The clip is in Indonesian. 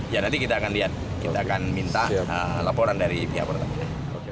ya nanti kita akan lihat kita akan minta laporan dari pihak pertamina